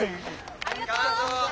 ありがとう！